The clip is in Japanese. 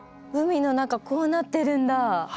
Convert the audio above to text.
海の中こうなってるんだ。